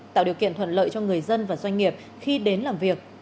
tạo điều kiện thuận lợi cho người dân và doanh nghiệp khi đến làm việc